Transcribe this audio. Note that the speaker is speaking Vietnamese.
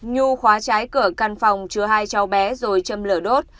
nhu khóa trái cửa căn phòng chứa hai cháu bé rồi châm lửa đốt